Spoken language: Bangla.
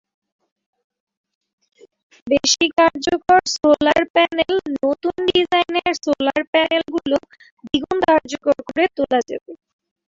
বেশি কার্যকর সোলার প্যানেলনতুন ডিজাইনের সোলার প্যানেলগুলো দ্বিগুণ কার্যকর করে তোলা যাবে।